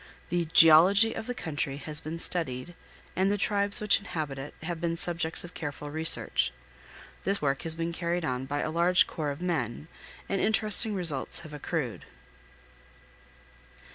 The geology of the country has been studied, and the tribes which inhabit it have been subjects of careful research. This work has been carried on by a large corps of men, and interesting results have accrued.